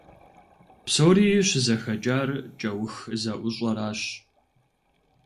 Псори щызэхэкӀар кӀэух зэӀущӀэращ.